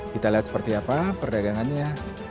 kita lihat seperti apa perdagangannya